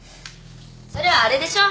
それはあれでしょ？